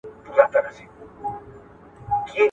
العبر د ابن خلدون ډیر مشهور کتاب دی.